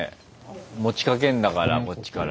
持ちかけんだからこっちから。